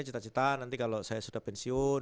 cita cita nanti kalau saya sudah pensiun